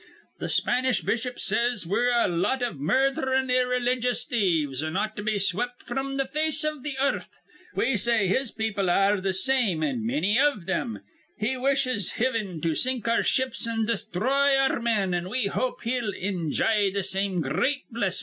Th' Spanish bishop says we're a lot iv murdherin', irreligious thieves, an' ought to be swept fr'm th' face iv th' earth. We say his people ar re th' same, an' manny iv thim. He wishes Hivin to sink our ships an' desthroy our men; an' we hope he'll injye th' same gr reat blessin'.